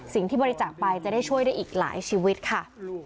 สิ่งที่บริจาคไปจะได้ช่วยได้อีกหลายชีวิตค่ะ